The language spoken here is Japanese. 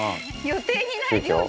予定にない料理。